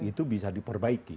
itu bisa diperbaiki